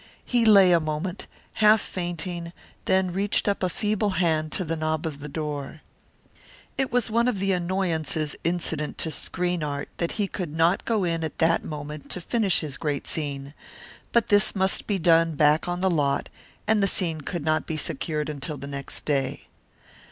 He lay a moment, half fainting, then reached up a feeble hand to the knob of the door. It was one of the annoyances incident to screen art that he could not go in at that moment to finish his great scene. But this must be done back on the lot, and the scene could not be secured until the next day.